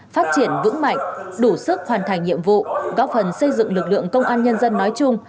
phát triển vững mạnh đủ sức hoàn thành nhiệm vụ góp phần xây dựng lực lượng công an nhân dân nói chung